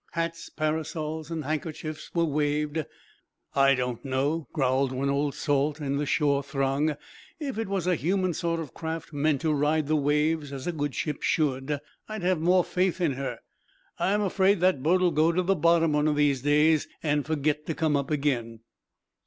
Hats, parasols and handkerchiefs were waved. "I don't know," growled one old salt in the shore throng. "If it was a human sort of craft, meant to ride the waves as a good ship should, I'd have more faith in her. I'm afraid that boat'll go to the bottom one o' these days, an' forgit to come up again."